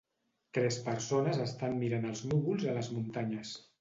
Tres persones estan mirant els núvols a les muntanyes.